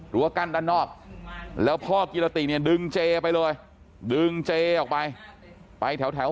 กั้นด้านนอกแล้วพ่อกิรติเนี่ยดึงเจไปเลยดึงเจออกไปไปแถว